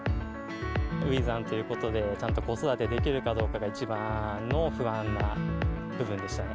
初産ということで、ちゃんと子育てできるかどうかが、一番の不安な部分でしたね。